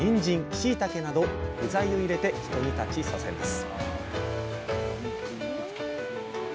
しいたけなど具材を入れて一煮立ちさせます